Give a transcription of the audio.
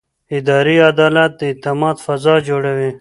اداري عدالت د اعتماد فضا جوړوي.